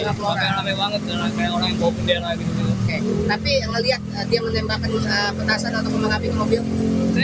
tapi melihat dia menembakkan petasan atau kembang api ke mobil